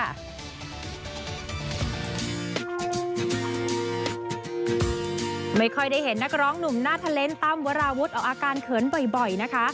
ไม่ค่อยได้เห็นนักร้องหนุ่มหน้าทะเลนสตั้มวราวุฒิเอาอาการเขินบ่อยนะคะ